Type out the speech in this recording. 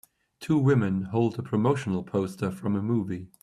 Two women hold a promotional poster from a movie.